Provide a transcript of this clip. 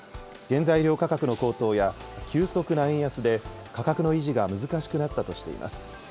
原材料価格の高騰や急速な円安で、価格の維持が難しくなったとしています。